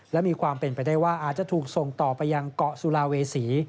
และมีความเป็นไปได้ว่าอาจจะถูกส่งต่อไปยังเกาะสุลาเวษี